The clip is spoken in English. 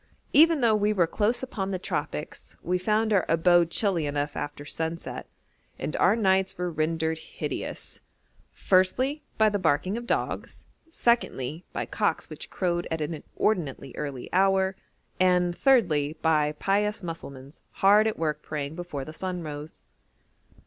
Even though we were close upon the tropics we found our abode chilly enough after sunset; and our nights were rendered hideous firstly, by the barking of dogs; secondly, by cocks which crowed at an inordinately early hour; and, thirdly, by pious Mussulmans hard at work praying before the sun rose.